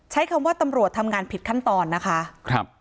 ใช้คำว่าตำรวจทำงานผิดขั้นตอนนะคะครับ